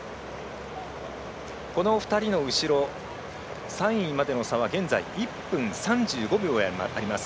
この２人の後ろ、３位までの差は現在１分３５秒あります。